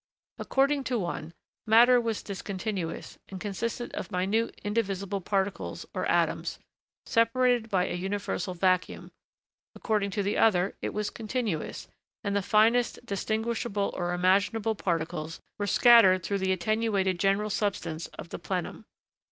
According to the one, matter was discontinuous and consisted of minute indivisible particles or atoms, separated by a universal vacuum; according to the other, it was continuous, and the finest distinguishable, or imaginable, particles were scattered through the attenuated general substance of the plenum.